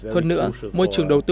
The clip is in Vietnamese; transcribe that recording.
hơn nữa môi trường đầu tư rất tốt